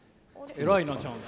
偉いなちゃんと。